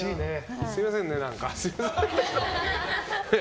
すみませんね、何か。